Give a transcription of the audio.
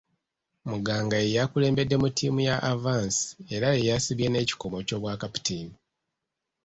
Muganga y'eyakulembeddemu ttimu ya Avance era y'eyasibye n'ekikomo ky'obwa kapiteeni.